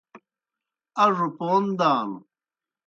اڙوْ پون دانوْ۔